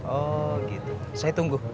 oh gitu saya tunggu